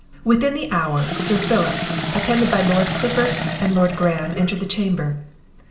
Within the hour, Sir Philip, attended by Lord Clifford and Lord Graham, entered the chamber.